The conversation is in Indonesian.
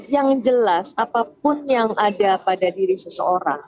yang jelas apapun yang ada pada diri seseorang